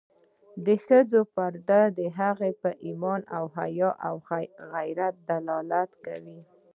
د ښځو پرده د هغوی په ایمان، حیا او غیرت دلالت کوي.